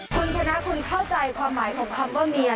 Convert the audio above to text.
คุณชนะคุณเข้าใจความหมายของคำว่าเมีย